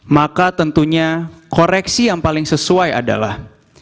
maka tentunya koreksi yang paling sesuai adalah